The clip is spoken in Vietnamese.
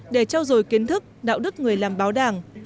để trao dồi kiến thức đạo đức người làm báo đảng